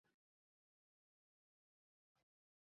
近蕨嵩草为莎草科嵩草属下的一个变种。